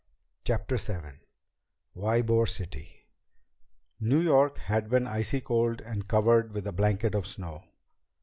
CHAPTER VII Ybor City New York had been icy cold and covered with a blanket of snow.